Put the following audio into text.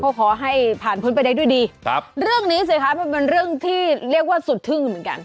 ก็ขอให้ผ่านพ้นไปได้ด้วยดีครับเรื่องนี้สิคะมันเป็นเรื่องที่เรียกว่าสุดทึ่งเหมือนกัน